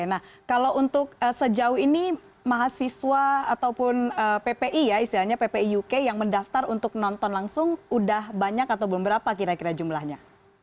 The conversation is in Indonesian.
nah kalau untuk sejauh ini mahasiswa ataupun ppi ya istilahnya ppi uk yang mendaftar untuk nonton langsung udah banyak atau belum berapa kira kira jumlahnya